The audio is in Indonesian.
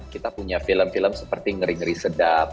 kita punya film film seperti ngeri ngeri sedap